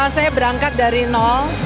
saya berangkat dari nol